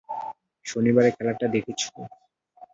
শনিবারের খেলাটা দেখেছ?